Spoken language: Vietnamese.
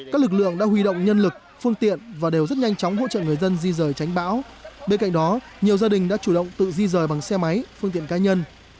các lực lượng đã huy động nhân lực phương tiện và đều rất nhanh chóng hỗ trợ người dân di rời tránh bão bên cạnh đó nhiều gia đình đã chủ động tự di rời bằng xe máy phương tiện cá nhân